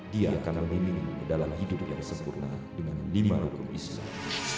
dia akan memilih dalam hidup yang sempurna dengan lima hukum islam